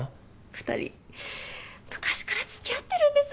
２人昔からつきあってるんですね。